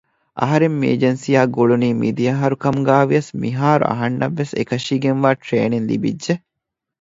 އަހަރެން މި އެޖެންސީއާ ގުޅުނީ މިދިޔަ އަހަރު ކަމުގައިވިޔަސް މިހާރު އަހަންނަށްވެސް އެކަށީގެންވާ ޓްރެއިނިންގް ލިބިއްޖެ